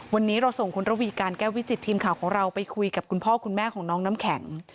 วันนี้เราส่งคุณระวีการแก้ววิจิตทีมข่าวของเราไปคุยกับคุณพ่อคุณแม่ของน้องน้ำแข็ง